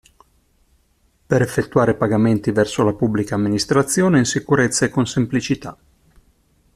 Per effettuare pagamenti verso la Pubblica Amministrazione in sicurezza e con semplicità.